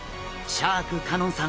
シャーク香音さん